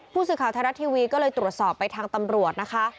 ผู้สื่อข่าวไทยรัฐทีวีก็เลยตรวจสอบไปทางตำรวจนะคะ